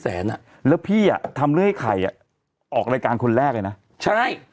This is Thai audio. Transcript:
แสนอ่ะแล้วพี่อ่ะทำเรื่องไอ้ไข่อ่ะออกรายการคนแรกเลยนะใช่